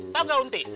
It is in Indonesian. tau gak unti